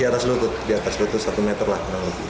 di atas lutut di atas lutut satu meter lah